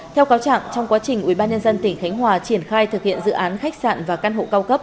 theo cáo trạng trong quá trình ubnd tỉnh khánh hòa triển khai thực hiện dự án khách sạn và căn hộ cao cấp